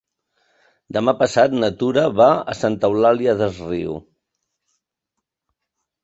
Demà passat na Tura va a Santa Eulària des Riu.